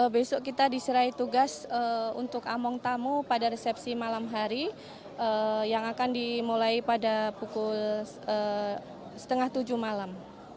besok kita diserai tugas untuk among tamu pada resepsi malam hari yang akan dimulai pada pukul setengah tujuh malam